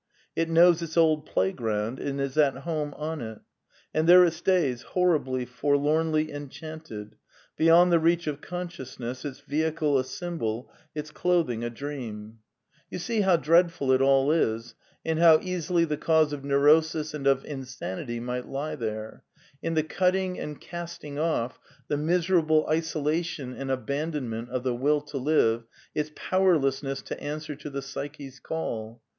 It knows its old playground and is at home on it. And there it stays, horribly, forlornly enchanted ; be yond the reach of consciousness, its vehicle a symbol, its clothing a dream. PAN PSYCHISM OF SAMUEL BUTLER 9 You see tow dreadful it all is, and how easily the cause of neurosis and of insanity might lie there ; in the cutting and casting off, the miserable isolation and abandonment of the Will to live, its powerlessness to answer to the psyche's call.